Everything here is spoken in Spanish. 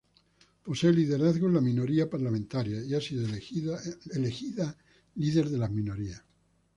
Posee liderazgo en la minoría parlamentaria y ha sido elegida líder de las minorías.